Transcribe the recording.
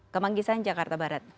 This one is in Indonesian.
kemanggisan jakarta barat